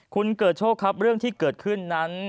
คุณเกิดโชคครับเรื่องที่เกิดขึ้นนั้น